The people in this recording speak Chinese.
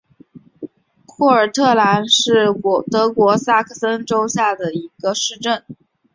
霍尔特兰是德国下萨克森州的一个市镇。